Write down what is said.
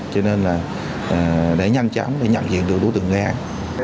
cho nên là để nhanh chóng để nhận diện được đối tượng gây án